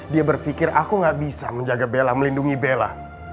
dia berpikir aku gak bisa menjaga bella melindungi bella